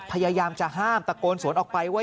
พยายามจะห้ามตะโกนสวนออกไปว่า